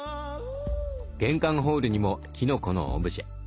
玄関ホールにもきのこのオブジェ。